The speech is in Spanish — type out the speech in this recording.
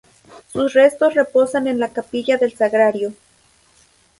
Sus restos reposan en la Capilla del Sagrario.